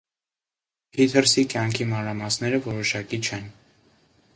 Փիթերսի կյանքի մանրամասները որոշակի չեն։